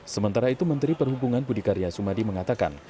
sementara itu menteri perhubungan budi karya sumadi mengatakan